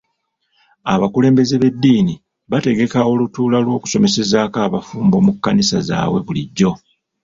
Abakulembeze b'edddiini bategeka olutuula lw'okusomesezaako abafumbo mu kkanisa zaabwe bulijjo.